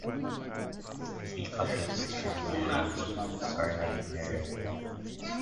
In those circumstances, the conditions will have been tundra, sometimes verging on periglacial.